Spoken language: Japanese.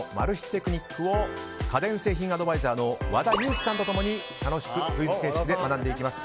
テクニックを家電製品アドバイザーの和田由貴さんと共に楽しくクイズ形式で学んでいきます。